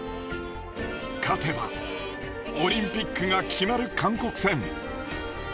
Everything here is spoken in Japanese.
勝てばオリンピックが決まる韓国戦。